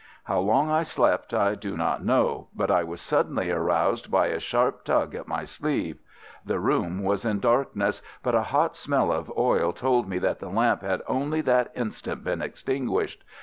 How long I slept I do not know; but I was suddenly aroused by a sharp tug at my sleeve. The room was in darkness, but a hot smell of oil told me that the lamp had only that instant been extinguished.